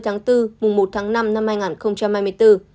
ba mươi tháng bốn mùng một tháng năm năm hai nghìn hai mươi bốn